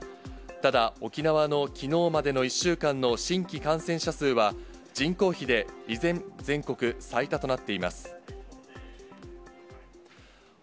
ただ、沖縄のきのうまでの１週間の新規感染者数は、人口比で依然、全国最多となっています。